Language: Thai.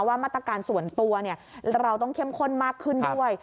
ว่ามาตรการส่วนตัวเราต้องเข้มข้นมากขึ้นด้วย